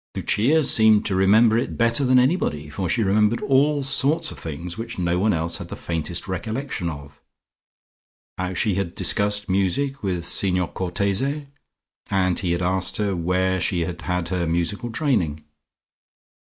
Lucia seemed to remember it better than anybody, for she remembered all sorts of things which no one else had the faintest recollection of: how she had discussed music with Signor Cortese, and he had asked her where she had her musical training.